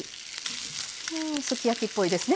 うんすき焼きっぽいですね。